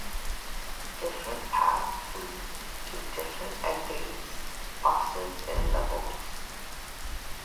Different paths lead to different endings, bosses, and levels.